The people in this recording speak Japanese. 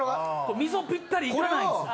溝ピッタリいかないんすよ。